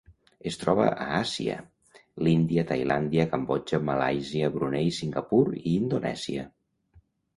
Es troba a Àsia: l'Índia, Tailàndia, Cambodja, Malàisia, Brunei, Singapur i Indonèsia.